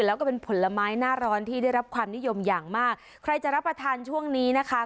แล้วก็เป็นผลไม้หน้าร้อนที่ได้รับความนิยมอย่างมากใครจะรับประทานช่วงนี้นะคะ